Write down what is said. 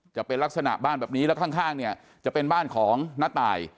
จะเป็นลักษณะบ้านแบบนี้แล้วข้างเนี่ยจะเป็นบ้านของน้าตาย